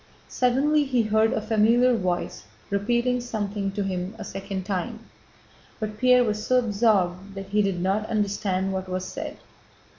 Suddenly he heard a familiar voice repeating something to him a second time. But Pierre was so absorbed that he did not understand what was said.